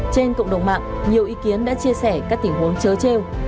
trên cộng đồng mạng nhiều ý kiến đã chia sẻ các tình huống chớ treo